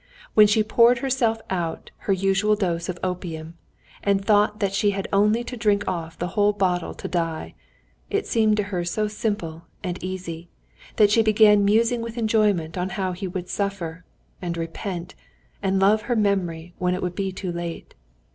When she poured herself out her usual dose of opium, and thought that she had only to drink off the whole bottle to die, it seemed to her so simple and easy, that she began musing with enjoyment on how he would suffer, and repent and love her memory when it would be too late.